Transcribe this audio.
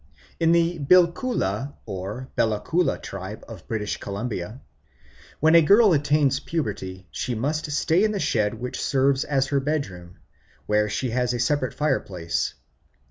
In the Bilqula or Bella Coola tribe of British Columbia, when a girl attains puberty she must stay in the shed which serves as her bedroom, where she has a separate fireplace.